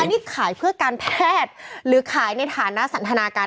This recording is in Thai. อันนี้ขายเพื่อการแพทย์หรือขายในฐานะสันทนาการ